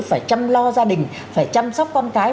phải chăm lo gia đình phải chăm sóc con cái